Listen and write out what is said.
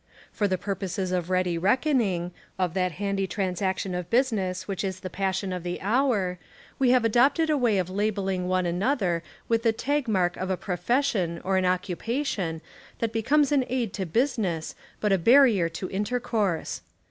For the purposes of ready reckoning, of that handy transaction of busi ness which is the passion of the hour, we have adopted a way of labelling one another with the tag mark of a profession or an occupation that becomes an aid to business but a barrier to Intercourse.